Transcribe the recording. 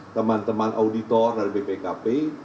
teman teman auditor dari bpkp